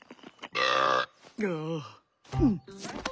ああ。